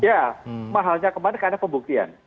ya mahalnya kemarin karena pembuktian